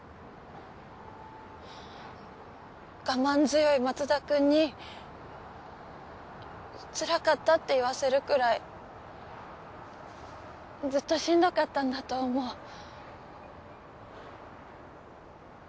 我慢強い松田くんにつらかったって言わせるくらいずっとしんどかったんだと思う。